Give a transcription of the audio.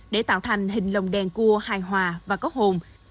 để tạo thành hình lồng đèn cua hài hòa và có hồn